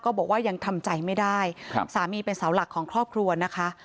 บอกว่ายังทำใจไม่ได้ครับสามีเป็นเสาหลักของครอบครัวนะคะ